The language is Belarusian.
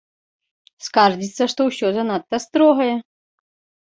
Скардзіцца, што ўсё занадта строгае.